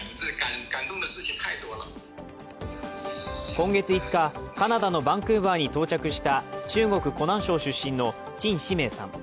今月５日、カナダのバンクーバーに到着した中国・湖南省出身の陳思明さん。